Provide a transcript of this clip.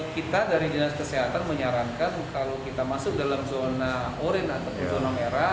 kita dari dinas kesehatan menyarankan kalau kita masuk dalam zona oran atau zona merah